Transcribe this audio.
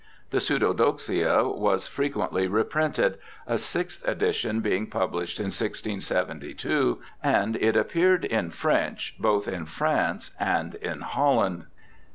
The Pseudodoxia was frequently reprinted, a sixth edition being published in 1672, and it appeared in French both in France and in Holland.